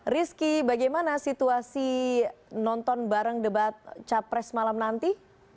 rizky bagaimana situasi nonton bareng debat capres malam nanti